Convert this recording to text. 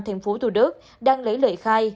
thành phố thủ đức đang lấy lời khai